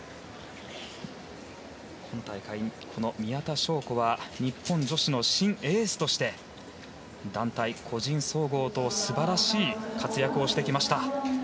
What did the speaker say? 今大会、宮田笙子は日本女子の新エースとして団体、個人総合と素晴らしい活躍をしてきました。